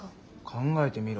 考えてみろ。